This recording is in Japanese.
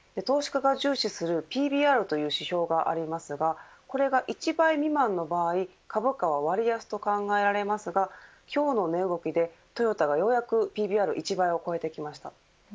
投資家が重視するＰＢＲという指標がありますがこれが１倍未満の場合、株価は割安と考えられますが今日の値動きでトヨタがようやくＰＢＲ１倍を超えてきました。